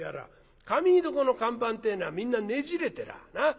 髪結床の看板ってえのはみんなねじれてらあなあ。